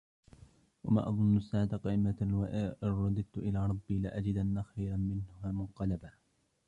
وما أظن الساعة قائمة ولئن رددت إلى ربي لأجدن خيرا منها منقلبا